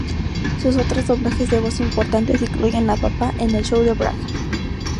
Sus otros doblajes de voz importantes incluyen a Papá en "El Show de Brak".